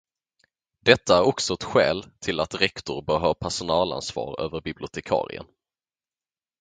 Detta är också ett skäl till att rektor bör ha personalansvar över bibliotekarien.